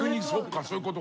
そういうことか。